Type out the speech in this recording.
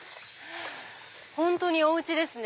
本当におうちですね。